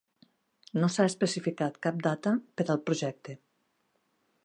No s"ha especificat cap data per al projecte.